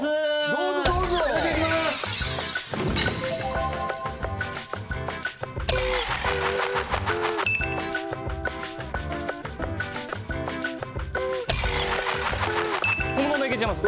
どうぞどうぞこのままいけちゃいます